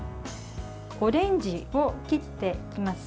オレンジを切っていきます。